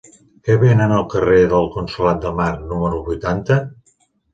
Què venen al carrer del Consolat de Mar número vuitanta?